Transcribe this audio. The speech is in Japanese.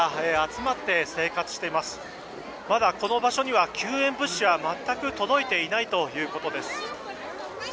まだこの場所には救援物資は全く届いていないということです。